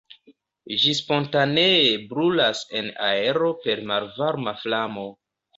Ĝi spontanee brulas en aero per malvarma flamo.